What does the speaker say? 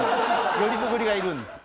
よりすぐりがいるんです。